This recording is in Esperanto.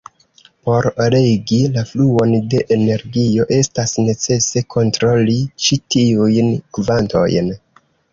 Por regi la fluon de energio estas necese kontroli ĉi tiujn kvantojn.